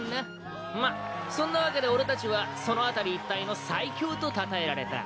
まっそんなわけで俺たちはその辺り一帯の最強とたたえられた。